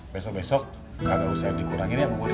besok besok enggak usah yang dikurangin ya buburnya